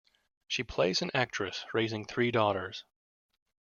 She plays an actress raising three daughters.